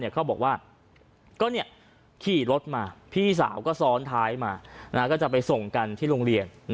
เขาบอกว่าก็ขี่รถมาพี่สาวก็ซ้อนท้ายมาก็จะไปส่งกันที่โรงเรียน